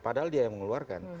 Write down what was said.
padahal dia yang mengeluarkan